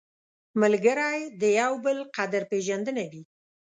ملګری د یو بل قدر پېژندنه وي